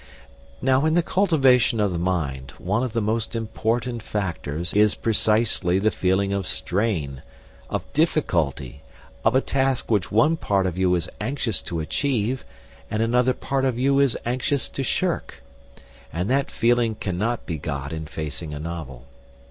Now in the cultivation of the mind one of the most important factors is precisely the feeling of strain, of difficulty, of a task which one part of you is anxious to achieve and another part of you is anxious to shirk; and that feeling cannot be got in facing a novel.